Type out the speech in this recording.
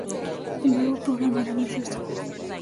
El nuevo programa era ambicioso.